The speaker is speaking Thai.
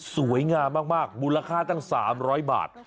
สวยงามมากมูลค่าตั้ง๓๐๐บาท